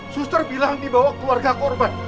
suster bilang dibawa keluarga korban